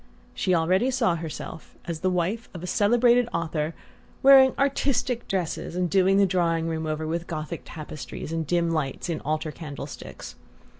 She already saw herself, as the wife of a celebrated author, wearing "artistic" dresses and doing the drawing room over with Gothic tapestries and dim lights in altar candle sticks.